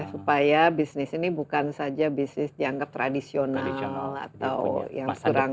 supaya bisnis ini bukan saja bisnis dianggap tradisional atau yang kurang